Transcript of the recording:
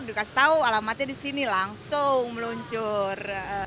dikasih tahu alamatnya di sini langsung meluncur